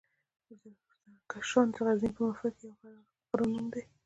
زرکشان دغزني پهمفر کې د يوۀ غرۀ نوم دی.